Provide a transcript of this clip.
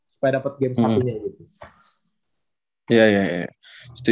supaya dapet game satu nya gitu